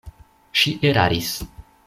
Ŝi eraris.